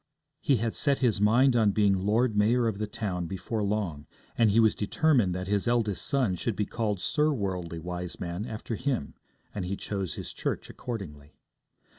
He had set his mind on being Lord Mayor of the town before long, and he was determined that his eldest son should be called Sir Worldly Wiseman after him, and he chose his church accordingly.